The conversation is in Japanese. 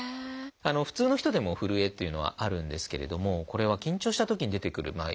普通の人でもふるえっていうのはあるんですけれどもこれは緊張したときに出てくるふるえとかですね